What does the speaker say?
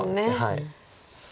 はい。